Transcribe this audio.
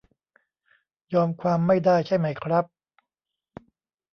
ยอมความไม่ได้ใช่ไหมครับ